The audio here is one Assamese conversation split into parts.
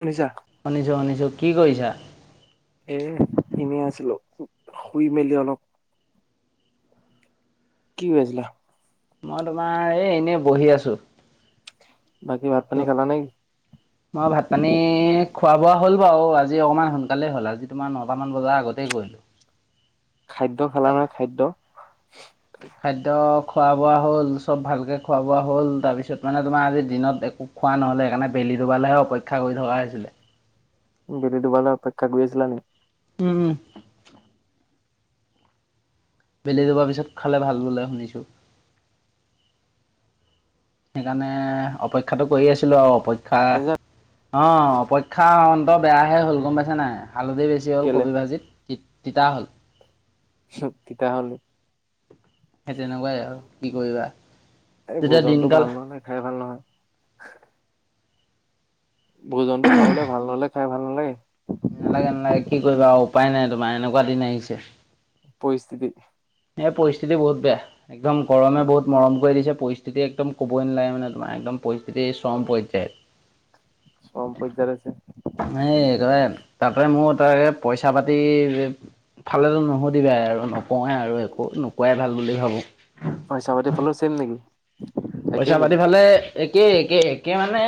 শুনিছা শুনিছো শুনিছো কি কৰিছা এ এনেই আছিলো শুই মেলি অলপ কি কৰি আছিলা? মই তোমাৰ এই এনেই বহি আছো বাকী ভাত পানী খালা নে মই ভাত পানী খোৱা বোৱা হ'ল বাৰু আজি অকমান সোনকালে হ'ল আজি তোমাৰ নটামান বজাৰ আগতেই গল খাদ্য খালা নাই খাদ্য খাদ্য খোৱা বোৱা হ'ল চব ভালকে খোৱা বোৱা হল তাৰপিছত মানে তোমাৰ আজিৰ দিনত একো খোৱা নহ'লে, সেইকাৰণে বেলি ডুবালৈহে অপেক্ষা কৰি থকা হৈছিলে। [unintelligible] অপেক্ষা কৰি আছিলানি উম বেলি দুবাৰ পিছত খালে ভাল বুলে শুনিছো সেইকাৰণে অপেক্ষাটো কৰি আছিলো আৰু অপেক এ শুনিছা আ অপেক্ষা অন্ত বেয়াহে হ'ল গম পাইছে নাই হালধি বেছি হ'ল কেলে কবি ভাজিত তি তিতা হ'ল ওহ তিতা হল সেই তেনেকুৱাই আৰু,? কি কৰিবা এই যেতিয়া ভোজনতটো দিনকাল ভাল নহলে খাই ভাল নহয় ভোজনটো খাবলে ভাল নহলে খাই ভাল নালাগে। নালাগে, নালাগে, কি কৰিবা আৰু উপায় নাই তোমাৰ এনেকুৱা দিন আহিছে। পৰিস্থিতি এই পৰিস্থিতি বহুত বেয়া একদম গৰমে বহুত মৰম কৰি দিছে পৰিস্থিতি একদম ক'বই নালাগে মানে তোমাৰ, একদম পৰিস্থিতি চৰম পৰ্যায়ত। এই [unintelligible] একেবাৰে তাতে মোৰ তাকে পইচা পাতি ফালে নুশুধিলে আৰু নকৱে আৰু একো নোকোৱাই ভাল বুলি ভাবো। পইচা পাতি ফালেও চেম নেকি একেই পইচা নেকি পাতি ফালে একেই একে, একে মানে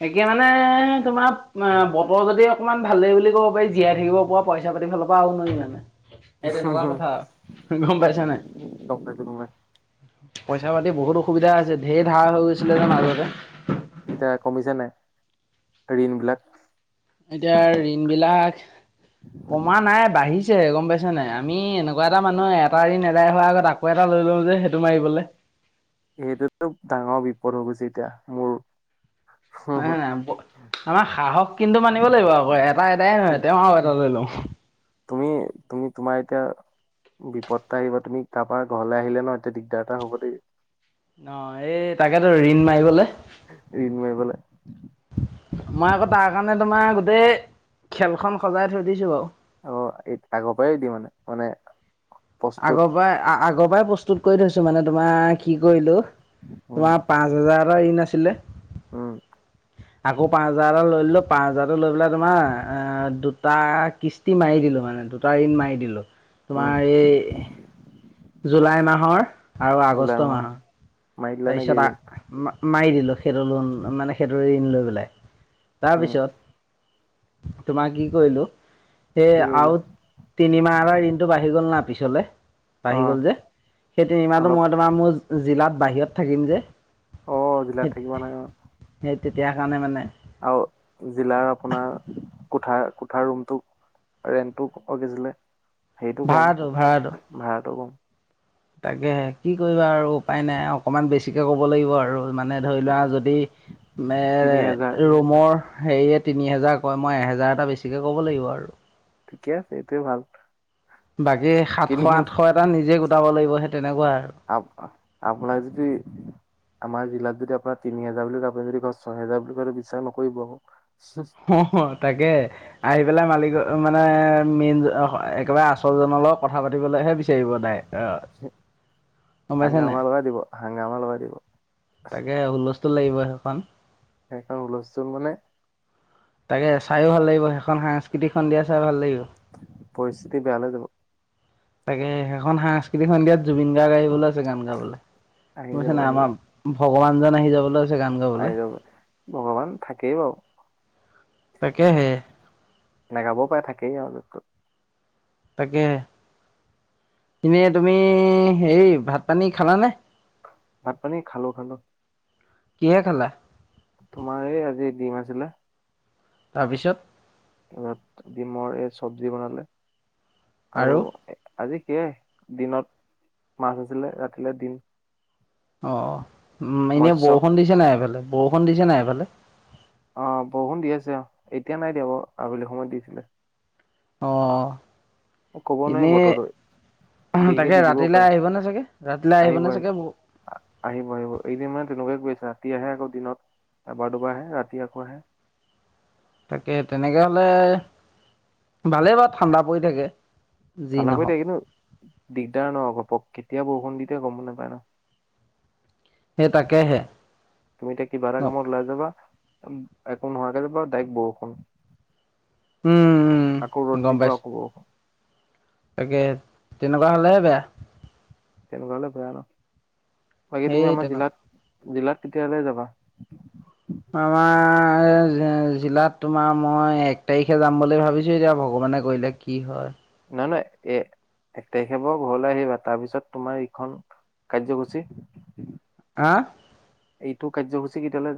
সে মানে তোমাৰ অ বতৰ যদি অকমান ভালেই বুলি ক'ব পাৰি জীয়াই থাকিব পৰা পইচা [unintelligible] ফালৰপা আও নোৱাৰি মানে? সেই তেনেকুৱা কথা গম পাইছা নাই গম পাইছো গম পাইছো পইচা পাতি বহুত অসুবিধা আছে ধেৰ ধাৰ হৈ গৈছিলে নে মাজতে এতিয়া কমিছে নাই ঋণ বিলাক এতিয়া ঋণ বিলাক কমা নাই বাঢ়ি গম পাইছা নাই আমি এনেকুৱা এটা মানুহ এটা ৰিন এদাই হোৱাৰ আগত আকৌ এটা লৈ লও যে সেইটো মাৰিবলে সেইটোতো ডাঙৰ বিপদ হৈ গৈছে এতিয়া মোৰ হয় নাই আমাৰ সাহস কিন্তু মানিব লাগিব আকৌ এটা এটাই নহয় এ তেওঁ আৰু এটা লৈ লওঁ তুমি তুমি তোমাৰ এতিয়া বিপদ এটা আহিব তুমি তাপা ঘৰলৈ আহিলে ন এতিয়া দিগদাৰ এটা হব দেই ন এই তাকেতো ঋণ মাৰিবলে ঋন মাৰিবলে। মই আকৌ তাৰ কাৰণে তোমাৰ গোটেই খেলখন সজাই থৈ দিছো বাৰু অ, এ আগৰ পৰাই দিয়ে মানে, মানে প্ৰস্তুত আগৰ পৰাই আগৰ পৰাই প্ৰস্তুত কৰি থৈছো মানে ত তোমাৰ কি কৰিলো উম তোমাৰ পাঁচ হাজাৰটা ঋণ আছিলে উম। আকৌ পাঁচ হাজাৰটা লৈ লিলো, পাঁচ হাজাৰতো লৈ পেলাই তোমাৰ আহ দুটা কিস্তি মাৰি দিলো। মানে, দুটা ঋণ মাৰি দিলো, উম তোমাৰ এই জুলাই মাহৰ, আৰু আগষ্ট গোলাম মাহৰ, মাৰি দিলা নেকি তাৰপিছত আ ঋণ মাৰি দিলো, খেইটোৰ লোন, মানে সেইটোৰ ঋণ লৈ পেলাই উম তাৰপিছত তোমাৰ কি কৰিলো, সে কি কৰিলা আৰু তিনিমাহ এটা ঋণটো বাঢ়ি গ'ল ন। পিছলে, অ বাঢ়ি গ'ল যে, সেই তিনিমাহটো অলপ মই তোমাৰ মোৰ জিলাত বাহিৰত থাকিম যে। অ, জিলাত থাকিবা নহয় অ। তেতিয়াৰ কাৰণে মানে। আৰু জিলাৰ আপোনাৰ কোঠা, কোঠাৰ ৰুমটোক। ৰেণ্টো কম আছিলে, সেইটো কম, ভাড়াটো ভাড়াটো ভাড়াটো কম। তাকেহে, কি কৰিবা আৰু উপায় নাই আউ, অকমান বেছিকে কব লাগিব আৰু। মানে ধৰি লোৱা যদি, মে তিনি হেজাৰ ৰুমৰ। হেৰিয়ে তিনি হেজাৰ কয়, মই এহেজাৰ এটা বেছিকে ক'ব লাগিব আৰু। ঠিকে আছে এইটোয়ে ভাল। বাকী সাতশ, কিন্তু আঠশ এটা নিজে গোটাব লাগিব সেই তেনেকুৱা আৰু। আ, আপোনাক যদি আমাৰ জিলাত যদি আপোনাৰ তিনি হাজাৰ বুলি কয়, আপুনি যদি কয় ছহেজাৰ বুলি কয়, সেইটো বিশ্বাস নকৰিব আকৌ। হ, হ তাকে, আহি পেলাই মালিক মানে মেইন, একেবাৰে আচলজনৰ লগত কথা পাতিবলৈহে বিচাৰিব। নাই, অ'। গম পাইছে নাই হাংগামা লগাই দিব, হাংগামা লগাই দিব। তাকে [unintelligible] লাগিব হেঁপাহ। সেইকাৰণ হুলস্থুল মানে। তাকে চাইো ভাল লাগিব সেইখন সাংস্তি সন্ধিয়া চাই ভাল লাগিব। পৰিস্থিতি বেয়া লাগিব। তাকে, সেইখন সাংস্কৃতিক সন্ধিয়াত জুবিন গাৰ্গ আহিবলৈ আছে গান আহি গাবলৈুছে। যাব নাই আমাৰ ভগৱান জ আহি যাবলৈ আছে। আয়ে হৈ ভগৱান থাকেই বাৰু। তাকেহে নগাঁও পাৰে থাকেই আৰুত। তাকে। তুমি, তুমি হে ভাত পানী খালানে? ভাত পানী খালে, খালে। কিহে খালা? তোমাৰ এই আজি ডিম আছিলে। তাৰপিছত? ডমৰ এই চব্জি বনালে, আৰু আজি সয়' দিনত মাছ আছিলে ৰাতিলৈ দিম। অ' উম মেমে বৰখন দিছে নাই ইফালে, বৰক্ষণ দিছে নাই ইফালে? অ' বৰষুণ দি আছে অ', এতিয়া নাই দিয়া বাৰু, আবেলি সময়ত দিছিলে। অ'। কব নোৱাৰি বতৰটো। উম, দেৰিকে তাকে দি দিবও ৰাতিলৈ পাৰে আহিব নে চাগে? ৰাতিলৈ আহিব নে চাগে মোৰ আহিব আহিব। এদিন মানে তেনেকোৱাই কৰি আছে। এতিয়া আহে, আকৌদিনত এবাৰ দুবাৰ আহে, ৰাতি আকৌ আহে। তাকে তেনেকে হ'লে ভালেই বাৰু ঠাণ্ডা পৰি থাকে। যি ঠাণ্ডা পৰি নহওক থাকে কিন্তু দিগদাৰ নহ ঘপক কেতিয়া বৰষুণ দিয়ে গম নাপায় ন। সেই তাকেহে। তুমি এতিয়া কিবা এটা উম কামত ওলাই যাবা একো নোহোৱাকে যাবা ডাইক বৰষুণ আকৌ উম ৰ'দ গম দিব পাইছো আকৌ বৰষুণ। তাকে তেনেকুৱা হ'লেহে বেয়া। তেনেকুৱা হ'লে বেয়া ন' বাকী সেই তুমি আমাৰ তেনে জিলাত জিলাত কেতিয়ালৈ যাবা? আমাৰ জিলাত তোমাৰ মই এক তাৰিখে যাম বুলি ভাবিছো এতিয়া ভগৱান মানে কৰিলে কি হয়। নানা এ এক তাৰিখে ব ঘৰলৈ আহিবা তাৰপিছত তোমাৰ ইখন কাৰ্যসূচী আহ। এইটো কাৰ্যসূচী কেতিয়াহ'লে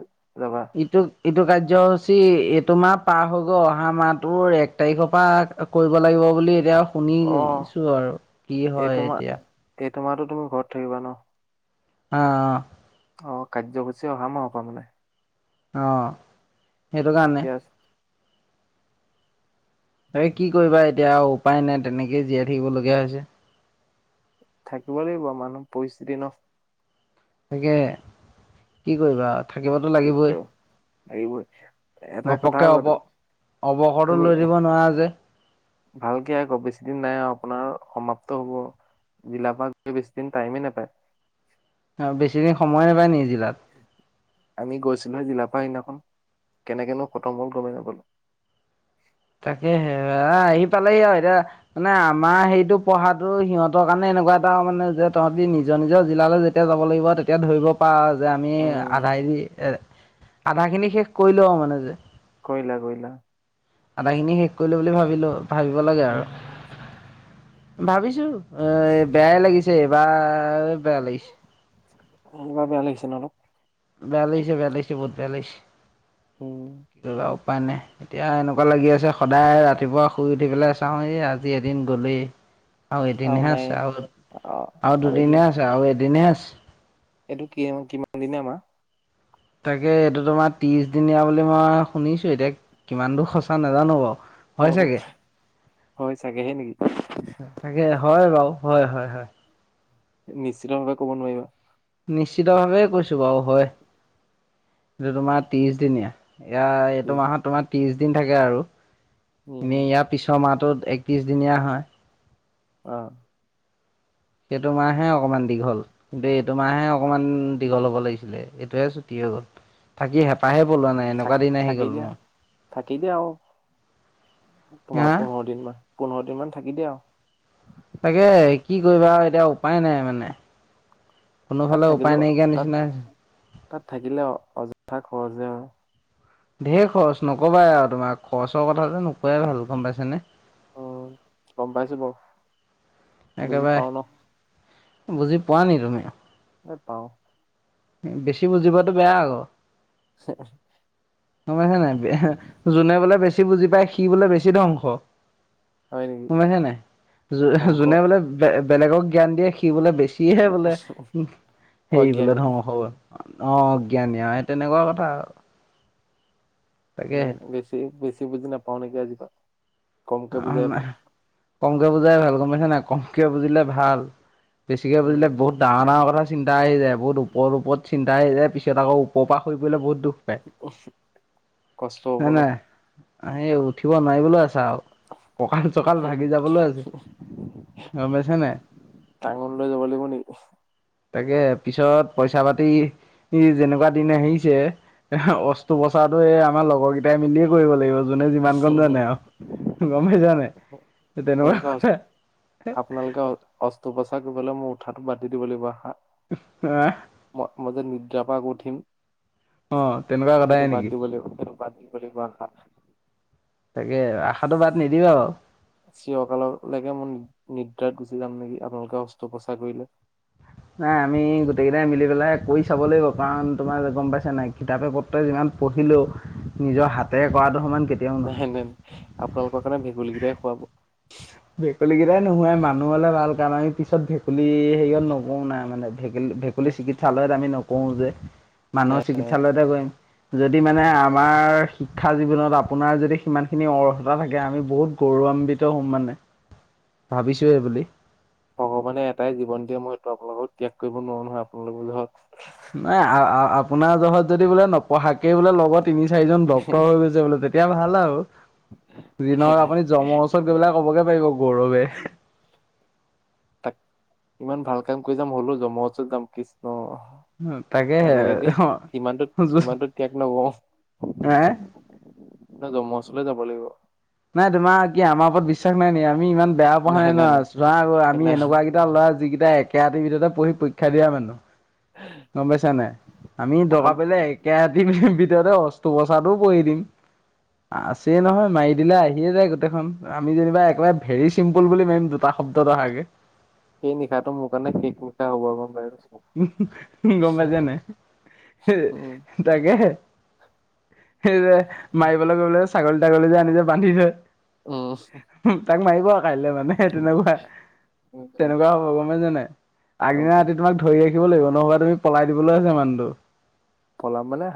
ইটো ইটো কাৰ্যসূচী এইটো মাপ পাৰ হৈ গ'ল অহা মাহটোৰ এক তাৰিখৰ পৰা কৰিব লাগিব বুলি এতিয়া অ শুনিছো আৰু কি হয় এতিয়া। তোমাৰো তুমি ঘৰত থাকিবা ন'। অ', অ'। অ', কাৰ্যসূচী অহা মাহৰ পা বোলে। অ', সেইটো কাৰণে। ঠিকে আছে। এই কি কৰিবা এতিয়া উপায় নাই তেনেকেই জীয়াই থাকিব লগীয়া হৈছে। থাকিব লাগিব মানুহ পৰিস্হিতি নহ। তাকে, কি কৰিবা? থাকিবতো কি লাগিবই, কৰো লাগিবই। এটা কথা ঘপককে আকৌ হ'ব। অৱসৰো তুমি লৈ দিব নোৱাৰা যে। ভালকে আকৌ বেছি দিন নাই আৰু আপোনাৰ সমাপ্ত হ'ব। জিলাপা গ বেছিদিন টাইমেই নাপায়। অ', বেছি দিন সময় নাপায় নিজিলো। আমি গচিলহ জিলা পা সনাখন কেনেকেনো খতম হ'ল গম ন বোলো। তাকে সে আহি পালেহি আৰু এতিয়া মানে আমাৰ সেইটো পঢ়াটো সিহঁতৰ কাৰণে এনেকুৱা এটা মানে যে তহঁতি নিজৰ নিজৰ জিলালৈ যেতিয়া যাব লাগিব তেতিয়া ধৰিব পাৰ যে আমি উম আধা হৰি এ আধা খিনি শেষ কৰি লওঁ মানে যে কৰিলা, কৰিলা। আদা খিনি শেষ কৰিলো বুলি ভাবিলো ভাবিব লাগে অ আৰু ভাবিছো। অ', বেয়াই লাগিছে, এইবাৰ বেয়া লাগিছে। এইবাৰ বেয়া লাগিছে ন' অলপ বোলছে বালাইছে বহুত বেলছে উম কি কৰিবওঁ। উপাই নাই এতিয়া এনেকুৱা লাগি আছে সদায় ৰাতিপুৱা শুই উঠি পেলাই চাওঁ এই আজি এদিন গ'লেই। আৰু এদিন আছ আ, অ আ, আৰু দুদিন এদিন আছ আ, এদিন আছ এইটো কি কিমান দিনে আমাৰ তাকে এইটো তোমাৰ ত্ৰিশ দিনীয়া বুলি মই শুনিছোঁ এতিয়া কিমান দূৰ সঁচা নাজানো বাৰু। অ হয় চাগে হয় চাগেহে নেকি? তাকে হয় বাৰু। হয়- হয় -হয়। নিশ্চিত ভাৱে ক'ব নোৱাৰিবা। নিশ্চিত ভাৱে কৈছোঁ বাৰু হয় এইটো তোমাৰ ত্ৰিশদিনীয়া। ইয়াৰ এইটো মাহত তোমাৰ ত্ৰিশ দিন থাকে আৰু এনে উম, ইয়াৰ পিছৰ মাহটোত একত্ৰিশ দিনীয়া হয়। অ'। সেইটো মাহে অকনমান দীঘল কিন্তু এইটো মাহে অকনমান দীঘল হ'ব লাগিছিলে এইটোহে ছুটি। হৈ গ'ল। থাকি হেঁপাহে পলোৱা নাই থাক এনেকুৱা দিন আহি থাকি গ'ল দিয়া। মোৰ। থাকি দিয়া আৰু তোমাৰ হা পোন্ধৰ দিন মান পোন্ধৰ দিন মান থাকি দিয়া আৰু। তাকে, কি কৰিবা আও এতিয়া উপায় নাই মানে। তাত কোনোফালে উপায় থাকিলেও নাইকিয়া তাত, নিচিনা হৈছে। তাত থাকিলেও অযথা খৰছহে হয়। ঢেৰ খৰচ নকবা আও তোমাৰ, খৰচৰ কথা যে নোক কোৱাই ভাল গম পাইছে নে? উম, গম পাইছো বাৰু বুজি পাও ন। বুজি পোৱা নি তুমি? এ পাওঁ। এ বেছি বুজি পোৱাটো বেয়া আকৌ। গম পাইছা নে নাই? যোনে বোলে বেছ ছি বুজি পায়, সি বোলে বেছি ধংস। হয় নেকি গম পাইছা নে নাই? ধ্বংস যো-যোনে বোলে বে-বেলেগক জ্ঞান দিয়ে সি বোলে বেছি সিহে বোলে উহ, হেৰি বোলে অজ্ঞানী ধৰ অ', জ্ঞানী সেই তেনেকুৱা কথা আৰু। তাকে নাই, নাই বেছি বেছি বুজি নাপাও নেকি আজিপা। অ', না কমকে বুজাই ভাল গম পাইছা নাই কমকে বুজিলে ভাল। বেছিকে বুজিলে উম, বহুত ডাঙৰ ডাঙৰ কথা চিন্তা আহি যায়। বহুত ওপৰ ওপৰত চিন্তা আহি যায় পিছত আকৌ ওপৰৰ পা সৰি পৰিলে বহুত দুখ পায় কষ্ট হ'ব ন'। অহ, এই উঠিব নোৱাৰি বুলি আছা আৰু। কঁকাল চকাল ভাগি যাবলৈ আছে, গম পাইছা নাই? টাঙন লৈ যাব লাগিব নেকি? তাকে পিছত পইচা পাতি ই যেনেকুৱা দিন আহিছে এ অস্ত্ৰোপচাৰটো এই আমাৰ লগৰকেইটাই মিলিয়ে কৰিব লাগিব। জনে যিমান কণ জানে আৰু। গম পাইছা নাই তেনেকুৱা আপোনালোকে, কথা আপোনালোকে অষ্টো প্ৰচাৰ কৰিবলে মোৰ উঠাটো বাদ দি দিব লাগিব আহা ম-মই যে তেতিয়া আকৌ উঠিম অ তেনেকুৱা কথাই সেইটো নেকি বাদ দিব লাগিব সেইটো বাদ দিব লাগিব আশা। তাকে আশাটো বাদ নিদিবা আও। চিৰকাললৈকে মই নিদ্ৰাত গুচি যাম নেকি আপোনালোকে অস্ত্ৰোপচাৰ কৰিলে? নাই আমি গোটেইকেইটাই মিলি পেলাই কৰি চাব লাগিব কাৰণ তোমাৰ যে গম পাইছা নাই কিতাপে পত্ৰই যিমান পঢ়িলেও, নিজৰ হাতেৰে কৰাটোৰ সমান কেতিয়াও নাই নহয় [unintelligible] আপোনালোকৰ কাৰণে ভেকুলীকেইটাই খুৱাব। [unintelligible] কেইটাই নোহোৱাই মানুহ হ'লে ভাল কাৰণ আমি পিছত ভেকুলী লী হেৰিয়ত নকৰোঁ নাই মানে ভেকে-ভেকুলী চিকিৎসালয়ত আমি নকৰোঁ যে মানুহৰ নাই নাই চিকিৎসালয়তহে কৰিম। যদি মানে আমাৰ শিক্ষা জীৱনত আপোনাৰ যদি সিমানখিনি অৰ্হতা থাকে আমি বহুত গৌৰৱ ৰাম্বিত হম মানে ভাবিছোঁ এই বুলি। ভগৱানে এটাই জীৱন দিয়ে মই এইটো আপোনালোকক ত্যাগ কৰিব নোৱাৰোঁ নহয় আপোনালোকৰ নাই আ-আ-আপোনাৰ জহত যদি বোলে নপঢ়াকে বোলে লগত তিনি চাৰিজন ডক্তৰ হৈ গৈছে বোলে তেতিয়া ভাল আৰু। দিনৰ আপুনি জমৰ ওচৰত গৈ পেলাই ক'বগে পাৰিব গৌৰৱে। তাক ইমান ভাল কাম কৰি যাম হ'লও জম ওচৰত যাম, কৃষ্ণ। তাকেহে নালাগে, দেই সিমানটো সিমানটো ত্যাগ নকৰোঁ। হে না জমৰ ওচৰলৈ যাব লাগিব। নাই তোমাৰ কি আমাৰ ওপৰত বিশ্বাস নাই নেকি আমি ইমান বেয়া পোৱা নাই নহয়, চোৱা আমি নাই এনেকুৱাকেইটা ল'ৰা যিক টা একেৰাতিৰ ভিতৰতে পঢ়ি পৰীক্ষা দিয়া মানুহ। গম পাইছা নাই? আমি প্ৰথম দৰকাৰ পৰিলে একে ৰাতি ভিতৰতে অস্ত্ৰোপচাটো কৰি দিম আছেই নহয় মাই দিলে আহিয়ে যায় গোটেইখন আমি যেনিবা একেবাৰে ভেৰি চিম্পুল বুলি মাৰিম দুটা শব্দত আহা কে। সেই নিশাটো মোৰ কাৰণে শেষ নিশা হ'ব। গম পাইনে? গম পাইছে নে নাই,,, উম, তাকে। সেই যে মাৰিবলৈ গলে ছাগলী তাগলী যে আনি যে বান্ধি থৈ। উম, তাক মাৰিব আৰু কাইলৈ মানে তেনেকুৱা। তেনেকুৱা হ'ব গম পাইছে নাই। গম আগদিনা ৰাতি পাইছো তোমাক ধৰি ৰাখিব লাগিব। নহ'বা তুমি পলাই দিবলৈ আছে মানুহটো। পলাম মানে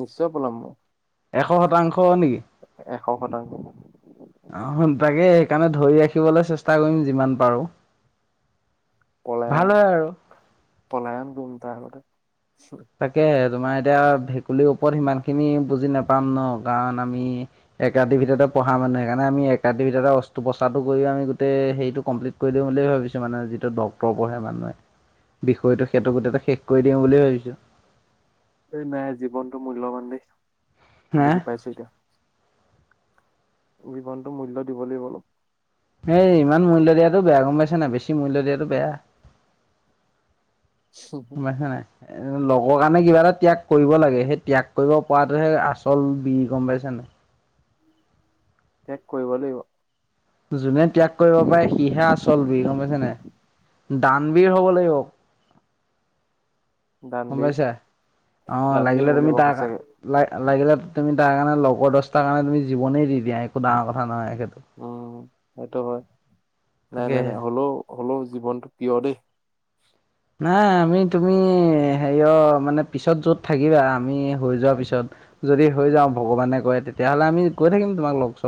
নিশ্চয় পলাম মই। এশ শতাংশ নেকি? এশ শতাংশ। অহ, তাকে সেইকাৰণে ধৰি ৰাখিবলৈ চেষ্টা কৰিম যিমান পাৰো। ভাল হয় আৰু পলায়ন-পলায়ন দিম তাৰ আগতে। তাকে তোমাৰ এতিয়া ভেকুলীৰ ওপৰত সিমান খিনি বুজি নাপায়। পাম নহ কাৰণ আমি একাডেমি ভিতৰতে পঢ়া মানুহ, সেইকাৰণে আমি একাডেমি ভিতৰতে অস্ৰপচাৰো কৰি। আমি গোটে হেৰিটো কমপ্লিট কৰি দিম বুলি ভাবিছো মানে যিটো ডক্তৰ পঢ়ে মানুহে। বিষয়টো সেইেটো কথাতে শেষ কৰি দিওঁ বুলিয়ে ভাবিছো। এই নাই জীৱনটো মূল্যবান দেই হা বুজি পাইছো এতিয়া। জীৱনটোৰ মূল্য দিব লাগিব অলপ। এই ইমান মূল্য দিয়াটো বেয়া, গম পাইছে নাই বেছি মূল্য দিয়াতটো বেয়া। গম পাইছা নাই। এ লগৰ কাৰণে কিবা এটা ত্যাগ কৰিব লাগে। সেই ত্যাগ কৰিব পৰাটোহে আচল জীৱন গম পাইছ নাই। ত্যাগ কৰিব লাগিব। যোনে ত্যাগ কৰিব পাৰে সি হে আচল গিৰি গম পাইছে নাই। দানবীৰ হ'ব লাগিব। গম দানবীৰ পাইছা অ, দানবীৰ লাগিলে হ'ব তুমি লাগিব তাক সঁচাকে ল লাগিলে তুমি তাৰ কাৰণে লগৰ দহটাৰ কাৰণে তুমি জীৱনেই দি দিয়া একো ডাঙৰ কথা নহয়। সেইটো উম, সেইটো হয়। নাই, নাই, তাকেহে। নাই হ'লেও হ'লেও জীৱনটো কিয় দেই। নাই আমি তুমি হেৰিয় মানে পিছত যত থাকিবা আমি। হৈ যোৱাৰ পিছত যদি হৈ যাওঁ ভগৱানে কৰে তেতিয়াহ'লে আমি গৈ থাকিম তোমাক লগ চগ কৰিব।